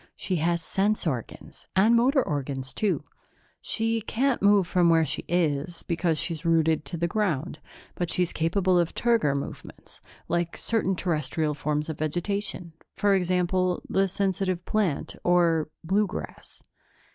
She has sense organs, and motor organs, too. She can't move from where she is, because she's rooted to the ground, but she's capable of turgor movements, like certain Terrestrial forms of vegetation for example, the sensitive plant or blue grass."